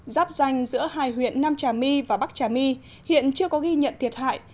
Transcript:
giáp danh giữa hai huyện nam trà my và bắc trà my hiện chưa có ghi nhận thiệt hại